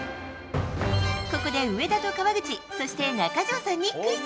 ここで上田と川口そして中条さんにクイズ。